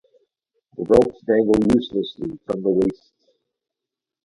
The ropes dangle uselessly from my waist.